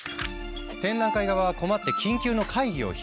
展覧会側は困って緊急の会議を開いた。